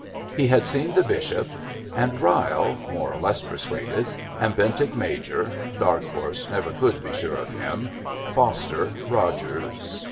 He had seen the Bishop, and Ryle (more or less persuaded), and Bentinck Major (dark horse, never could be sure of him), Foster, Rogers...